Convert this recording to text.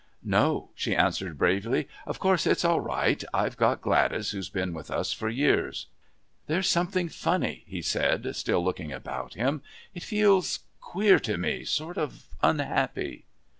"No," she answered bravely. "Of course it's all right. I've got Gladys, who's been with us for years." "There's something funny," he said, still looking about him. "It feels queer to me sort of unhappy."